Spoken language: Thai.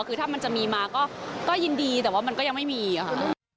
คือถ้ามันจะมีมาก็ยินดีแต่ว่ามันก็ยังไม่มีค่ะ